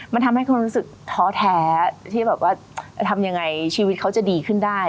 มันทำให้คนรู้สึกท้อแท้ที่แบบว่าจะทำยังไงชีวิตเขาจะดีขึ้นได้